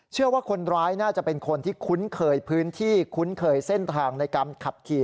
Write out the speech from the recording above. เชื่อว่าคนร้ายน่าจะเป็นคนที่คุ้นเคยพื้นที่คุ้นเคยเส้นทางในการขับขี่